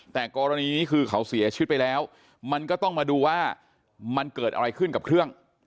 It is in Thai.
แต่กรณีนี้คือเขาเสียชีวิตไปแล้วมันก็ต้องมาดูว่ามันเกิดอะไรขึ้นกับเครื่อง